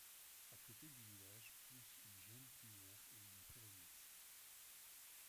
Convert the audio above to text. À côté du village pousse une jeune pinière et une forêt mixte.